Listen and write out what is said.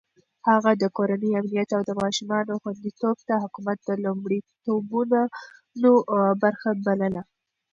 هغه د کورنۍ امنيت او د ماشومانو خونديتوب د حکومت د لومړيتوبونو برخه بلله.